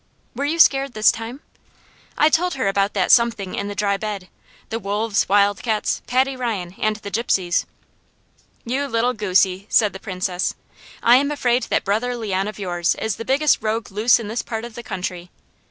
"Were you scared this time?" I told her about that Something in the dry bed, the wolves, wildcats, Paddy Ryan, and the Gypsies. "You little goosie," said the Princess. "I am afraid that brother Leon of yours is the biggest rogue loose in this part of the country.